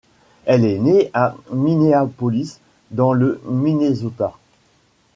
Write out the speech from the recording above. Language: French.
Elle est née à Minneapolis, dans le Minnesota.